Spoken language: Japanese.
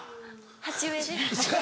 鉢植えです。